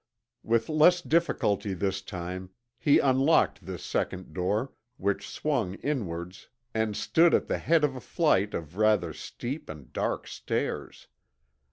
With less difficulty this time he unlocked this second door, which swung inwards and stood at the head of a flight of rather steep and dark stairs.